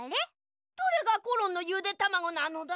どれがコロンのゆでたまごなのだ？